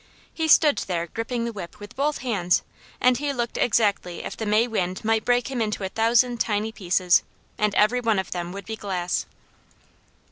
He stood there gripping the whip with both hands and he looked exactly as if the May wind might break him into a thousand tiny pieces, and every one of them would be glass.